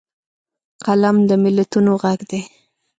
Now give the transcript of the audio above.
قلم د ملتونو غږ دی